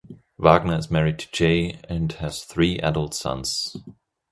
Wagner is married to Jay and has three adult sons.